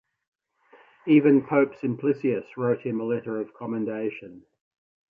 Even Pope Simplicius wrote him a letter of commendation.